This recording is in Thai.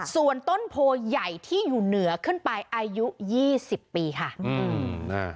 ส่วนต้นโพใหญ่ที่อยู่เหนือขึ้นไปอายุ๒๐ปีค่ะ